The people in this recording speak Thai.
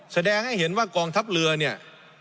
แสดงให้เห็นว่ากองทัพเรือเนี่ย